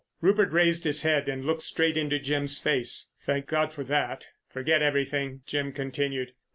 Rupert raised his head and looked straight into Jim's face. "Thank God for that." "Forget everything," Jim continued.